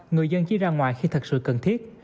người dân chỉ ra ngoài khi thật sự cần thiết